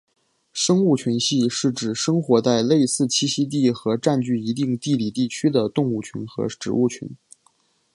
生物群系是指生活在类似栖息地和占据一定地理地区的动物群和植物群。